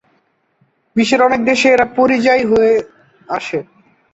বিশ্বের অনেক দেশে এরা পরিযায়ী হয়ে আসে।